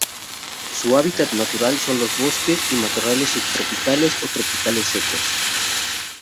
Su hábitat natural son los bosques y matorrales subtropicales o tropicales secos.